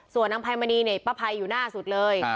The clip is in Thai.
ส่วนนางไพมณีป้าภัยอยู่หน้าสุดเลย